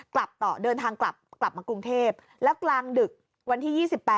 กลับต่อเดินทางกลับมากรุงเทพแล้วกลางดึกวันที่๒๘